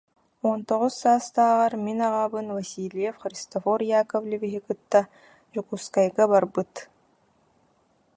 Уон тоҕус саастааҕар мин аҕабын Васильев Христофор Яковлевиһы кытта Дьокуускайга барбыт